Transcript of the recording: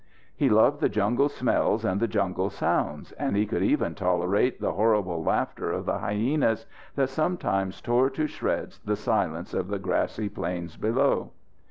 He loved the jungle smells and the jungle sounds, and he could even tolerate the horrible laughter of the hyenas that sometimes tore to shreds the silence of the grassy plains below.